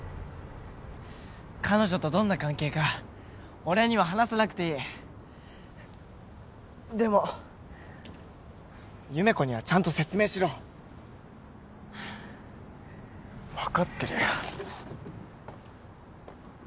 彼女とどんな関係か俺には話さなくていいでも優芽子にはちゃんと説明しろ分かってるよ